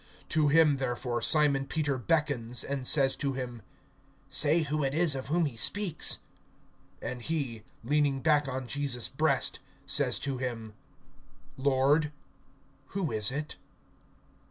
(24)To him therefore Simon Peter beckons, and says to him: Say who it is of whom he speaks. (25)And he, leaning back on Jesus' breast, says to him: Lord, who is it?